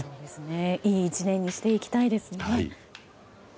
いい１年にしていきたいですね。